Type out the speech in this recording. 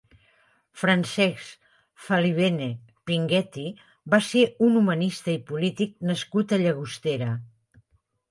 Francesc Falivene Pingetti va ser un humanista i polític nascut a Llagostera.